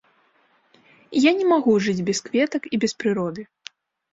Я не магу жыць без кветак і без прыроды.